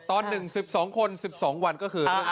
ตอนหนึ่ง๑๒คน๑๒วันก็คือ